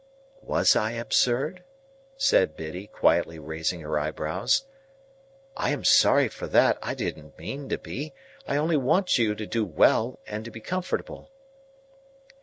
"Was I absurd?" said Biddy, quietly raising her eyebrows; "I am sorry for that; I didn't mean to be. I only want you to do well, and to be comfortable."